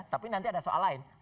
tapi nanti ada soal lain